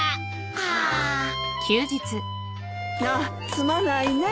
あっすまないねえ。